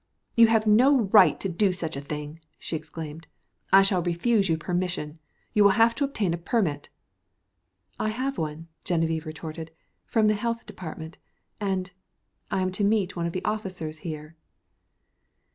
"You have no right to do such a thing," she exclaimed. "I shall refuse you permission. You will have to obtain a permit." "I have one," Geneviève retorted, "from the Health Department. And I am to meet one of the officers here."